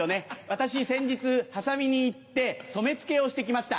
私先日波佐見に行って染め付けをして来ました。